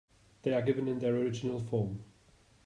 They are given in their original form.